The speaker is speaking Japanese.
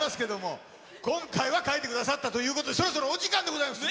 今回は描いてくださったということで、そろそろお時間でございますね。